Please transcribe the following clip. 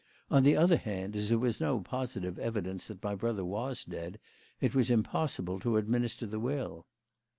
On the other hand, as there was no positive evidence that my brother was dead, it was impossible to administer the will."